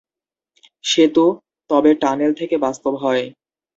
সেতু, তবে, টানেল থেকে বাস্তব হয়.